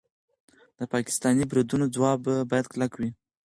د پاکستاني بریدونو ځواب باید کلک وي.